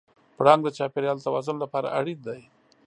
پړانګ د چاپېریال د توازن لپاره اړین دی.